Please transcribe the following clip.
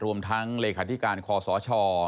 รวมทั้งเลขาธิการคอสช